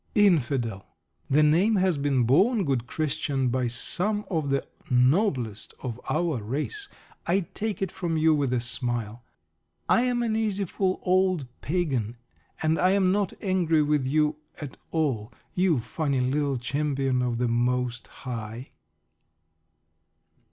Infidel! The name has been borne, good Christian, by some of the noblest of our race. I take it from you with a smile. I am an easiful old pagan, and I am not angry with you at all you funny, little champion of the Most High.